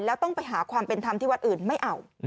แล้วต้องไปหาความเป็นธรรมที่วัดอื่นไม่เอา